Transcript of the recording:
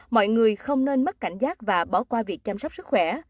mọi người không nên mất cảnh giác và bỏ qua việc chăm sóc sức khỏe